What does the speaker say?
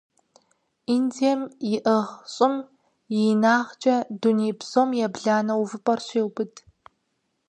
Индием иӀыгъ щӀым и инагъкӀэ дуней псом ебланэ увыпӀэр щеубыд.